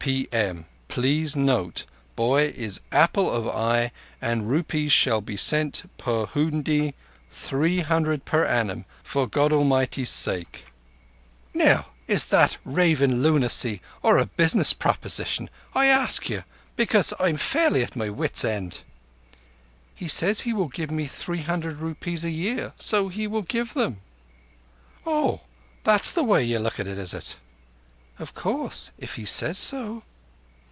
P. M.—Please note boy is apple of eye, and rupees shall be sent per hoondi three hundred per annum. For God Almighty's sake._' Now, is that ravin' lunacy or a business proposition? I ask you, because I'm fairly at my wits' end." "He says he will give me three hundred rupees a year? So he will give me them." "Oh, that's the way you look at it, is it?" "Of course. If he says so!"